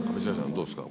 どうですか？